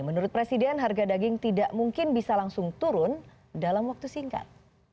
menurut presiden harga daging tidak mungkin bisa langsung turun dalam waktu singkat